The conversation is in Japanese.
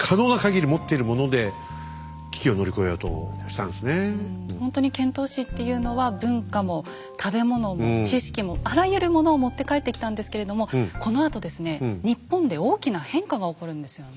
ただほんとに遣唐使っていうのは文化も食べ物も知識もあらゆるものを持って帰ってきたんですけれどもこのあとですね日本で大きな変化が起こるんですよね。